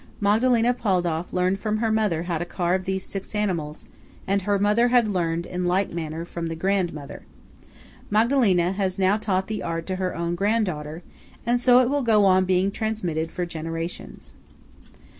Magdalena Paldauf learned from her mother how to carve these six animals, and her mother had learned, in like manner, from the grandmother. Magdalena has now taught the art to her own grand daughter; and so it will go on being transmitted for generations.